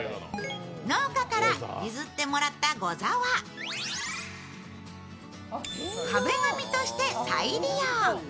農家から譲ってもらったござは、壁紙として再利用。